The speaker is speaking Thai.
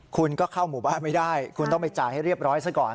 คุณก็เข้าหมู่บ้านไม่ได้คุณต้องไปจ่ายให้เรียบร้อยซะก่อน